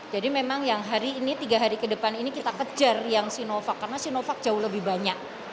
jadi memang yang hari ini tiga hari ke depan ini kita kejar yang sinovac karena sinovac jauh lebih banyak